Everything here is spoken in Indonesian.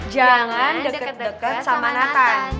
jangan deket deket sama natal